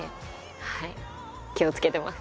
はい気をつけてます。